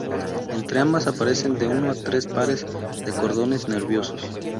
Entre ambas aparecen de uno a tres pares de cordones nerviosos.